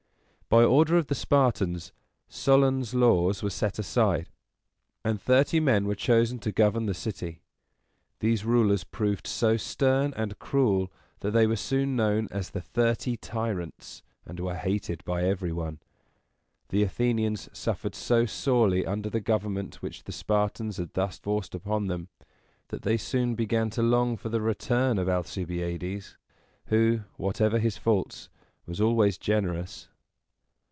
By order of the Spartans, Solon's laws were set aside, and thirty men were chosen to govern the city. These rulers proved so stern and cruel, that they were soon known as the Thirty Tyrants, and were hated by every one. The Athenians suffered so sorely under the government which the Spartans had thus forced upon them, that they soon began to long for the return of Alcibiades, who, whatever his faults, was always generous.